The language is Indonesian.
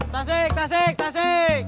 tasik tasik tasik